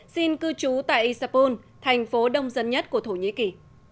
xin cư trú tại isapol thành phố đông dân nhất của thổ nhĩ kỳ